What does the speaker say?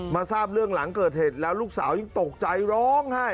ทราบเรื่องหลังเกิดเหตุแล้วลูกสาวยังตกใจร้องไห้